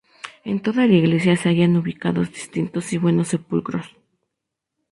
En toda la iglesia se hallan ubicados distintos y buenos sepulcros.